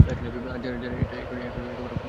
জানো, এটা এখনই খাওয়া উচিত তোমার।